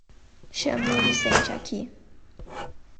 Chame o Vicente aqui!